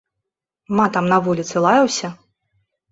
Матам на вуліцы лаяўся?